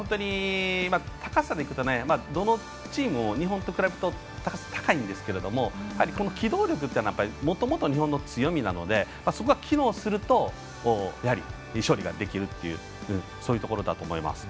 高さでいくとどのチームも日本と比べると高さは高いんですけども機動力はもともと日本の強みなのでそこが機能するとやはり勝利ができるというそういうところだと思います。